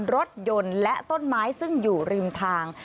รถยนต์และต้นไม้ซึ่งอยู่ริมทาง